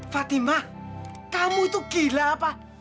fatimah kamu itu gila apa